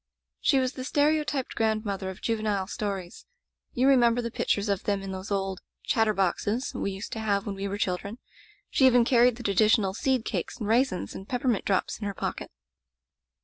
"She was the stereotyped grandmother of juvenile stories. You remember the pictures of them in those old Chatterboxes' we used to have when we were children. She even carried the traditional seed cakes and raisins and peppermint drops in her pocket.